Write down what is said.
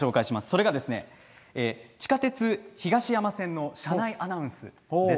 それが地下鉄東山線の車内アナウンスです。